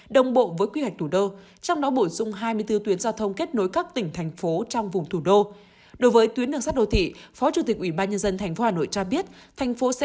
đồng bộ với quy hoạch thủ đô trong đó bổ sung hai mươi bốn tuyến giao thông kết nối các tỉnh thành phố trong vùng thủ đô